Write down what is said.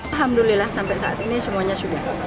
alhamdulillah sampai saat ini semuanya sudah